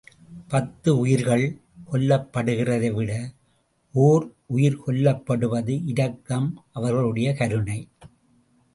பத்து உயிர்கள் கொல்லப்படுகிறதை விட ஒர் உயிர் கொல்லப்படுவது இரக்கம், அவர்களுடைய கருணை.